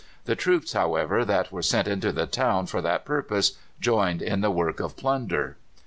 The troops, however, that were sent into the town for that purpose joined in the work of plunder.